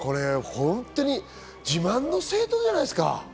自慢の生徒じゃないですか？